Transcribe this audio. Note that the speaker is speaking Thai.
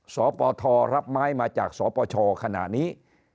สปทรรับไม้มาจากสปชขณะนี้